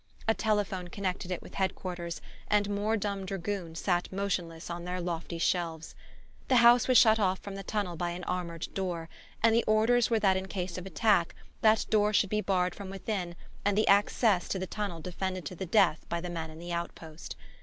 A telephone connected it with Head quarters and more dumb dragoons sat motionless on their lofty shelves. The house was shut off from the tunnel by an armoured door, and the orders were that in case of attack that door should be barred from within and the access to the tunnel defended to the death by the men in the outpost.